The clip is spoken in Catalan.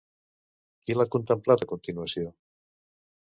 Qui l'ha contemplat a continuació?